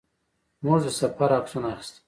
موږ د سفر عکسونه اخیستل.